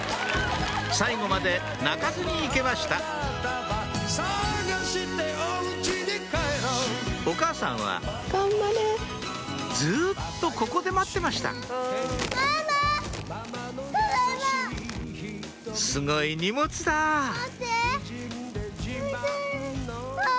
最後まで泣かずに行けましたお母さんはずっとここで待ってましたすごい荷物だあ！